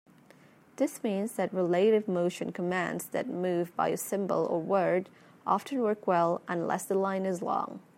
This means that relative motion commands that move by a symbol or word often work well unless the line is long.